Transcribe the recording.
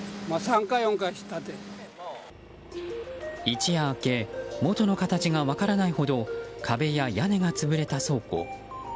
一夜明け元の形が分からないほど壁や屋根が潰れた倉庫。